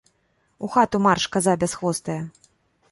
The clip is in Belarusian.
У хату марш, каза бясхвостая.